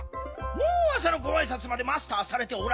もうあさのごあいさつまでマスターされておられる。